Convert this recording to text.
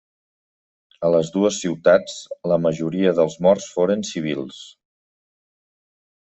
A les dues ciutats, la majoria dels morts foren civils.